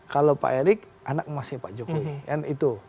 kalau pak erik anak emasnya pak jokowi